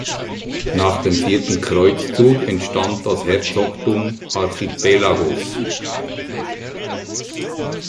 Nach dem vierten Kreuzzug entstand das Herzogtum Archipelagos.